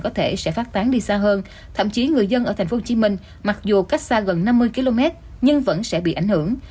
có thể sẽ phát tán đi xa hơn thậm chí người dân ở tp hcm mặc dù cách xa gần năm mươi km nhưng vẫn sẽ bị ảnh hưởng